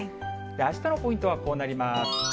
あしたのポイントはこうなります。